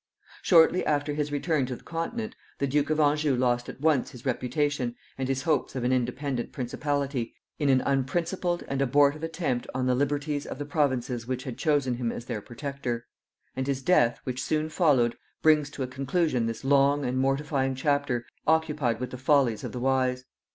Shortly after his return to the continent, the duke of Anjou lost at once his reputation, and his hopes of an independent principality, in an unprincipled and abortive attempt on the liberties of the provinces which had chosen him as their protector; and his death, which soon followed, brings to a conclusion this long and mortifying chapter, occupied with the follies of the wise.